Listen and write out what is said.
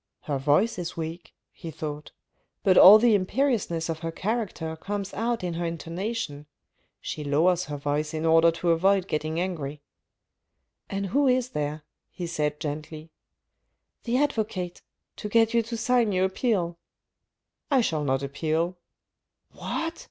"Her voice is weak," he thought, "but all the im periousness of her character comes out in her intonation. She lowers her voice in order to avoid getting angry." " And who is there ?" he said, gently. " The advocate, to get you to sign your appeal." " I shall not appeal." " What